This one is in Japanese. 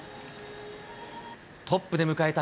トップで迎えた